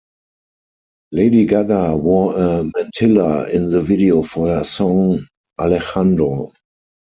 Lady Gaga wore a mantilla in the video for her song, "Alejandro".